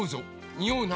におうな。